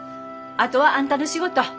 あとはあんたの仕事。